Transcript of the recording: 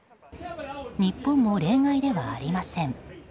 日本も例外ではありません。